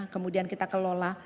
kemudian kita kelola